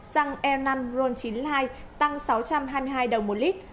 xăng e năm ron chín mươi hai tăng sáu trăm hai mươi hai đồng một lít